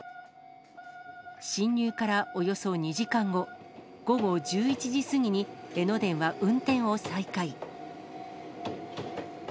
進入からおよそ２時間後、午後１１時過ぎに、江ノ電は運転を再開。